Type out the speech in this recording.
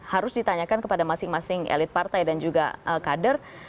harus ditanyakan kepada masing masing elit partai dan juga kader